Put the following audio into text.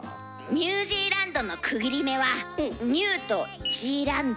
「ニュージーランド」の区切り目は「ニュー」と「ジーランド」。